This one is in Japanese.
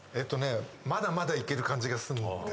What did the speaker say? まだまだいける感じがするんですよね。